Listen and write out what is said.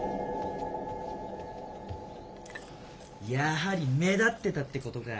やはり目立ってたってことか。